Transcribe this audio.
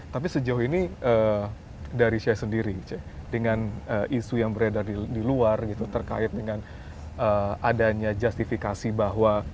tapi sejauh ini dari sheikh sendiri sheikh dengan isu yang beredar di luar terkait dengan adanya justifikasi bahwa